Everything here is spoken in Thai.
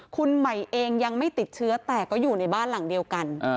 คุณใหม่เองยังไม่ติดเชื้อแต่ก็อยู่ในบ้านหลังเดียวกัน